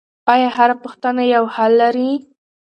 آیا هره پوښتنه یو حل لري؟